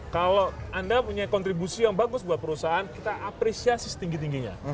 kalau anda punya kontribusi yang bagus buat perusahaan kita apresiasi setinggi tingginya